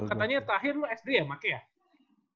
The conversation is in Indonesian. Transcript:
katanya terakhir lo sd ya make ya